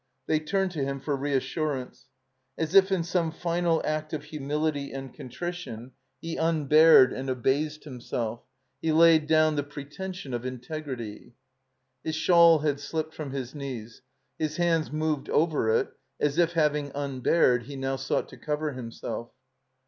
They turned to him for reassurance. As if in some final act of humility and contrition, he tmbared and abased himself, he laid down the pretension of integrity. His shawl had slipped from his knees. His hands moved over it as if, having tmbared, he now sought to cover himself.